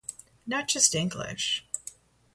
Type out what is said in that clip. Not just English.